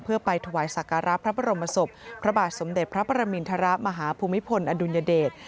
เพื่อไปถวายสักการะพระบรมศพพระบาทสมเด็จพระประมินทรมาฮภูมิพลอดุลยเดช